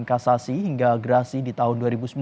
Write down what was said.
kasasi hingga gerasi di tahun dua ribu sembilan belas